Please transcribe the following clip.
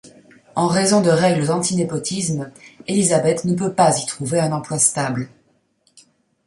En raison de règles anti-népotisme, Elizabeth ne peut pas y trouver un emploi stable.